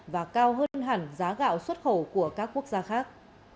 và cao hơn hẳn giá gạo xuất khẩu của các quốc gia khác